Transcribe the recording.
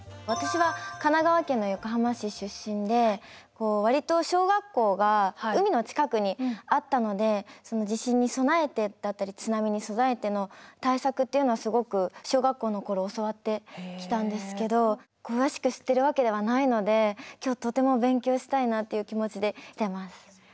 私は神奈川県の横浜市出身でこう割と小学校が海の近くにあったので地震に備えてだったり津波に備えての対策っていうのはすごく小学校の頃教わってきたんですけど詳しく知ってるわけではないので今日とても勉強したいなっていう気持ちで来てます。